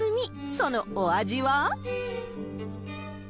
そのお味は？